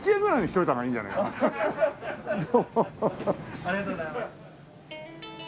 ありがとうございます。